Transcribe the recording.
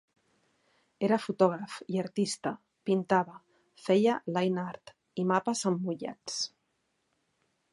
Era fotògraf i artista, pintava, feia "line art" i mapes emmotllats.